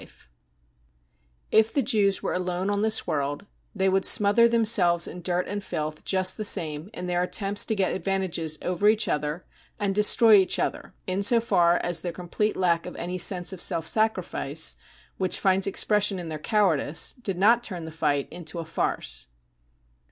<e If the Jews were alone on this world, they would smother themselves in dirt and filth just the same in their attempts to get advantages over each other and destroy each other, in so far as their complete lack of any sense of self sacrifice, which finds expression in their cowardice, did not turn the fight into a farce